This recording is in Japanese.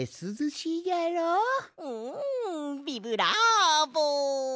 うんビブラーボ！